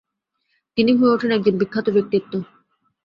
তিনি হয়ে ওঠেন একজন বিখ্যাত ব্যক্তিত্ব।